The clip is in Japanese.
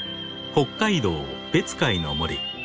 北海道別海の森。